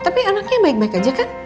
tapi anaknya baik baik aja kan